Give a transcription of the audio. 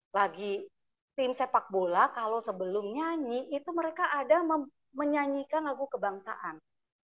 bagi tim sepak bola kalau sebelum nyanyi itu mereka ada menyanyikan lagu kebangsaan